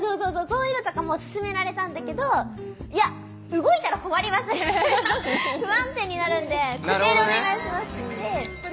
そういうのとかも勧められたんだけどいや動いたら困りますみたいな不安定になるんで固定でお願いしますって。